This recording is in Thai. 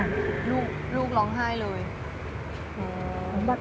ลูกลูกร้องไห้เลย